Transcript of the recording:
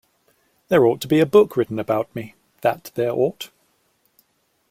There ought to be a book written about me, that there ought!